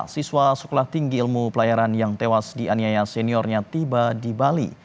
siswa sekolah tinggi ilmu pelayaran yang tewas dianiaya seniornya tiba di bali